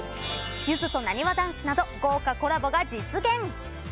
ゆずと、なにわ男子など豪華コラボが実現。